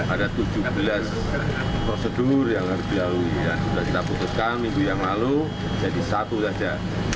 ada tujuh belas prosedur yang harus dilalui dan sudah kita putuskan minggu yang lalu jadi satu saja